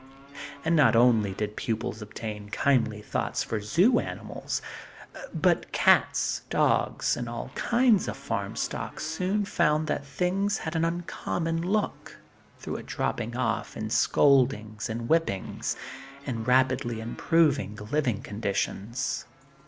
And not only did such pupils obtain kindly thoughts for zoo animals, but cats, dogs and all kinds of farm stock soon found that things had an uncommon look, through a dropping off in scoldings and whippings, and rapidly improving living conditions.